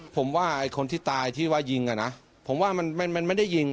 ผมว่าคนที่ตายที่ว่ายิงผมว่ามันไม่ได้ยิง